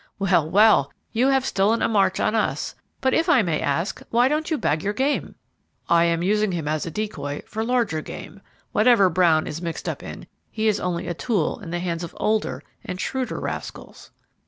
"Well, well! you have stolen a march on us. But, if I may ask, why don't you bag your game?" "I am using him as a decoy for larger game. Whatever Brown is mixed up in, he is only a tool in the hands of older and shrewder rascals."